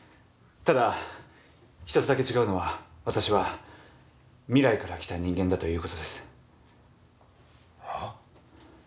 ただ一つだけ違うのは私は未来から来た人間だという事です。え？